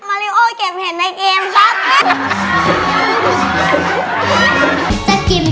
ริโอเก็บเห็ดในเกมครับ